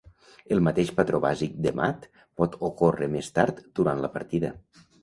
El mateix patró bàsic de mat pot ocórrer més tard durant la partida.